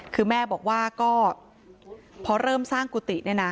คือแม่บอกว่าก็พอเริ่มสร้างกุฏิเนี่ยนะ